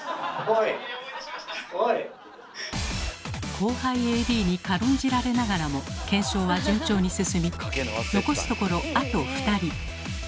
後輩ＡＤに軽んじられながらも検証は順調に進み残すところあと２人。